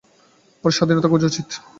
ওর স্বাধীনতা খোঁজা উচিত।